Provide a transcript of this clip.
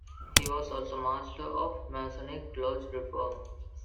He was also master of the masonic lodge Reform.